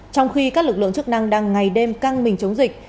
trong khi các lực lượng chức năng đang ngày đêm căng mình chống dịch